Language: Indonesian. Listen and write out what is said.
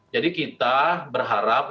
jadi kita berharap